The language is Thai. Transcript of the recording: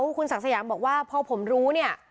คุณศักดิ์สยามบอกว่าพอผมรู้เนี่ย